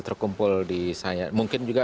terkumpul di saya mungkin juga